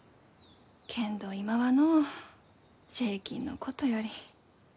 けんど今はのう税金のことより。